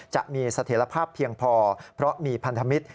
จะมีเสถียรภาพเพียงพอเพราะมีพันธมิตร